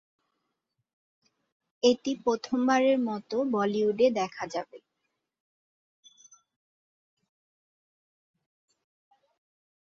এটি প্রথমবারের মতো বলিউডে দেখা যাবে।